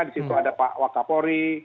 disitu ada pak wakapori